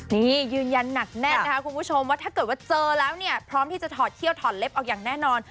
นี่ยืนยันหนักแน่นนะคะคุณผู้ชมว่าถ้าเกิดว่าเจอแล้วเนี่ยพร้อมที่จะถอดเขี้ยวถอดเล็บออกอย่างแน่นอน